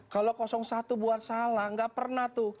kalau satu buat salah gak pernah tuh